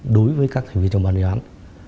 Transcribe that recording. đối với các thầy viên trong bản án